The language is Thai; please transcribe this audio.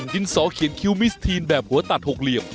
ดินสอเขียนคิวมิสทีนแบบหัวตัดหกเหลี่ยม